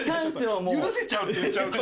許せちゃうって言っちゃうと。